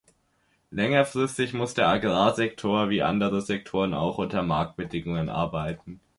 Längerfristig muss der Agrarsektor, wie andere Sektoren auch, unter Marktbedingungen arbeiten.